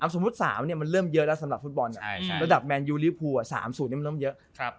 สมมุติ๓เนี่ยมันเริ่มเยอะแล้วสำหรับฟุตบอลระดับแม้นยูริภูสามสูตรนี้มันเริ่มเยอะ